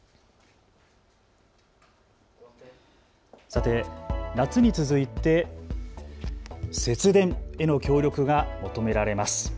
さて、夏に続いて節電への協力が求められます。